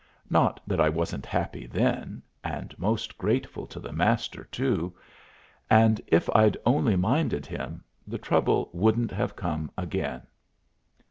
Not that I wasn't happy then, and most grateful to the Master, too, and if I'd only minded him, the trouble wouldn't have come again.